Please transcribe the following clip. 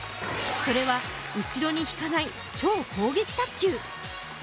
それは後ろに引かない超攻撃卓球。